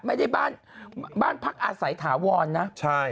ไม่ได้บ้านพักอาศัยถาวรนะ